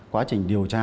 quá trình điều tra